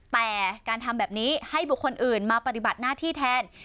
แต่การทำแบบนี้ให้บุคคลอื่นมาปฏิบัติหน้าที่แทน